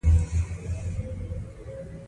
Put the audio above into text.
وژلي او شکنجه کړي دي.